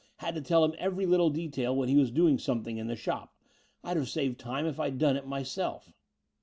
Had to tell him every little detail when he was doing something in the shop. I'd have saved time if I'd done it myself."